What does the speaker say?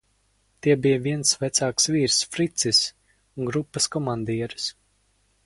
"Tie bija viens vecāks vīrs "Fricis" un grupas komandieris."